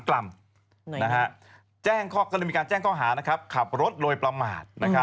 ก็เลยมีการแจ้งข้อหาขับรถโรยประมาท